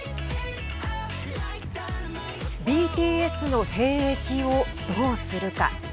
ＢＴＳの兵役をどうするか。